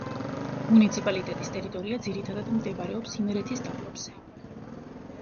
მუნიციპალიტეტის ტერიტორია ძირითადად მდებარეობს იმერეთის დაბლობზე.